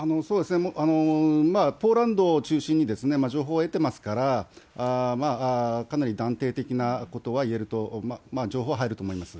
ポーランドを中心に、情報を得てますから、かなり断定的なことは言えると、情報は入ると思います。